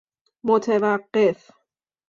متوقف